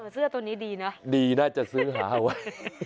เสื้อตัวนี้ดีนะดีน่าจะซื้อหาเอาไว้